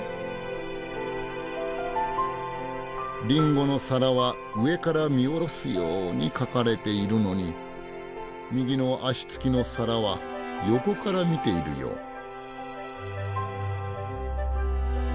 リンゴの皿は上から見下ろすように描かれているのに右の脚つきの皿は横から見ているよう。